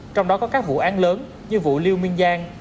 trong đó có các vụ án lớn như vụ liêu minh giang